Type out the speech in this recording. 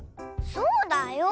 そうだよ！